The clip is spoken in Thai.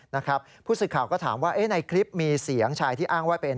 นะครับผู้สื่อข่าวก็ถามว่าในคลิปมีเสียงชายที่อ้างว่าเป็น